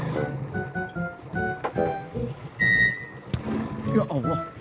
lagi apa sia databases